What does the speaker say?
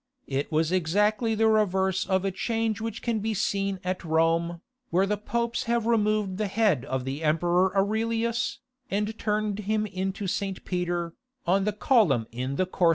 It was exactly the reverse of a change which can be seen at Rome, where the popes have removed the head of the Emperor Aurelius, and turned him into St. Peter, on the column in the Corso.